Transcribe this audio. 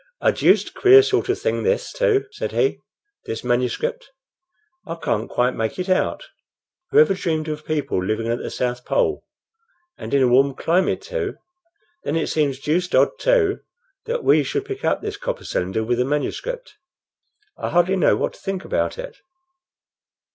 "A deuced queer sort of thing this, too," said he, "this manuscript. I can't quite make it out. Who ever dreamed of people living at the South Pole and in a warm climate, too? Then it seems deuced odd, too, that we should pick up this copper cylinder with the manuscript. I hardly know what to think about it."